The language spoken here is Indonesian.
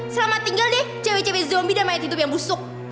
selamat tinggal deh cewek cewek zombie dan mayat hidup yang busuk